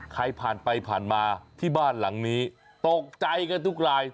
ใครผ่านไปผ่านมาที่บ้านหลังนี้ตกใจกันทุกราย